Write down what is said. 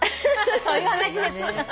そういう話です。